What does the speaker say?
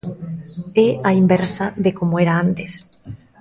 É á inversa de como era antes.